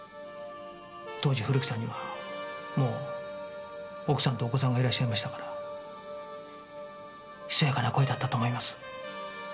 当時古木さんにはもう奥さんとお子さんがいらっしゃいましたから密やかな恋だったと思います。